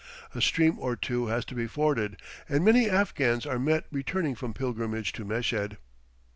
A stream or two has to be forded, and many Afghans are met returning from pilgrimage to Meshed.